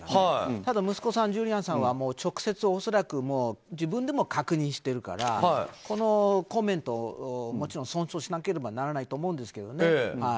でも息子のジュリアーノさんは直接、恐らく自分でも確認してるからこのコメントをもちろん尊重しなければならないと思いますけど。